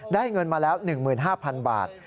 เงินมาแล้ว๑๕๐๐๐บาท